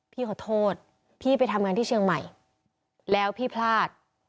พี่ขอโทษพี่ไปทำงานที่เชียงใหม่แล้วพี่พลาด